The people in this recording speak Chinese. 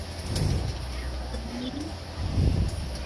宽额短额鲆为辐鳍鱼纲鲽形目鲽亚目鲆科短额鲆属的鱼类。